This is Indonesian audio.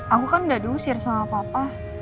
aku kan ga diusir sama papa